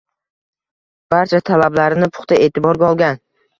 Barcha talablarini puxta e’tiborga olgan.